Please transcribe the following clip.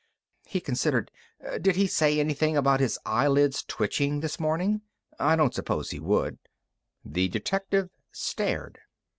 He considered. "Did he say anything about his eyelids twitching this morning? I don't suppose he would." The detective stared.